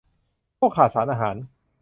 โรคขาดสารอาหาร